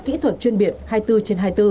kỹ thuật chuyên biệt hai mươi bốn trên hai mươi bốn